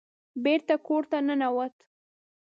بېرته کور ته ننوت.